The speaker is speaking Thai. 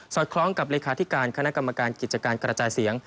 คล้องกับเลขาธิการคณะกรรมการกิจการกระจายเสียง